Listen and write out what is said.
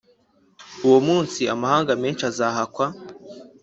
Uwo munsi amahanga menshi azahakwa